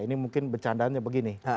ini mungkin bercandaannya begini